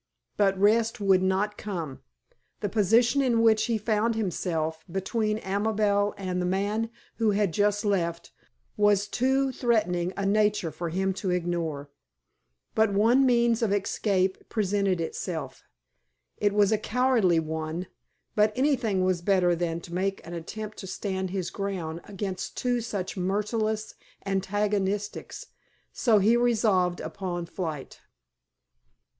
But rest would not come. The position in which he found himself, between Amabel and the man who had just left, was of too threatening a nature for him to ignore. But one means of escape presented itself. It was a cowardly one; but anything was better than to make an attempt to stand his ground against two such merciless antagonists; so he resolved upon flight.